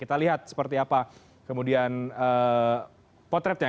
kita lihat seperti apa kemudian potretnya